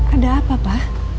ada apa pak